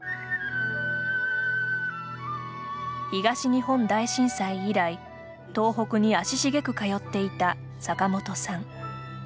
東日本大震災以来東北に足繁く通っていた坂本さん。